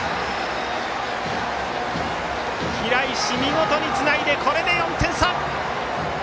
平石、見事につないでこれで４点差！